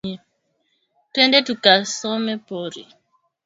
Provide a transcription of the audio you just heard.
Twende tuka tshome pori